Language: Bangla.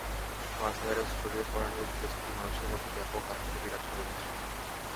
মার্স ভাইরাস ছড়িয়ে পড়া নিয়ে দেশটির মানুষের মধ্যে ব্যাপক আতঙ্ক বিরাজ করছে।